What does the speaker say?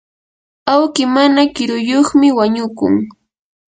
awki mana kiruyuqmi wañukun.